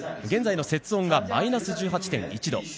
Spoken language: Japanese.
現在の雪温がマイナス１８．１度。